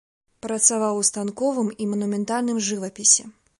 Працаваў у станковым і манументальным жывапісе.